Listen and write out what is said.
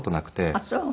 あっそう。